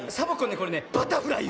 これねバタフライよ。